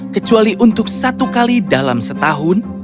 kecuali untuk satu kali dalam setahun